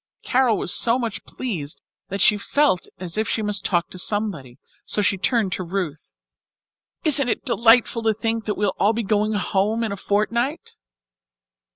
Carol was so much pleased that she felt as if she must talk to somebody, so she turned to Ruth. "Isn't it delightful to think that we'll all be going home in a fortnight?"